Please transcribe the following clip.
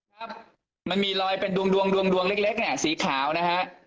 ครับมันมีรอยเป็นดวงดวงเล็กเนี่ยสีขาวนะฮะ